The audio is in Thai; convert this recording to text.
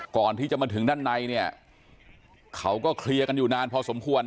ก่อนที่จะมาถึงด้านในเนี่ยเขาก็เคลียร์กันอยู่นานพอสมควร